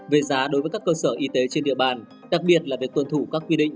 về giá đối với các cơ sở y tế trên địa bàn đặc biệt là việc tuân thủ các quy định